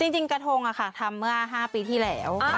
จริงกระทงทำเมื่อ๕ปีที่แล้ว